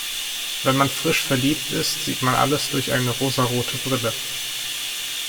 Wenn man frisch verliebt ist, sieht man alles durch eine rosarote Brille.